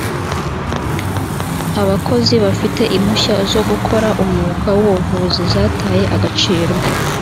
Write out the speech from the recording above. abakozi bafite impushya zo gukora umwuga w’ubuvuzi zataye agaciro